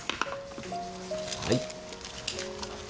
はい。